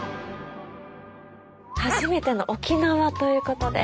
初めての沖縄ということで。